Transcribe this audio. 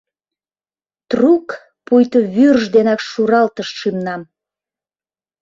Трук пуйто вӱрж денак шуралтышт шӱмнам.